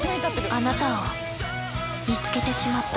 あなたを見つけてしまった。